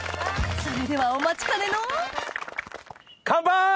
それではお待ちかねのカンパイ！